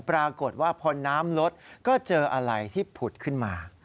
ปรากฏว่าพอน้ำลดก็เจออะไรที่ผุดขึ้นมา